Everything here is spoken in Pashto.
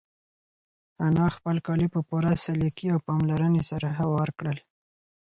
انا خپل کالي په پوره سلیقې او پاملرنې سره هوار کړل.